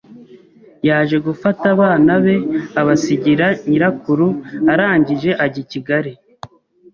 Yaje gufata abana be abasigira nyirakuru, arangije ajya i Kigali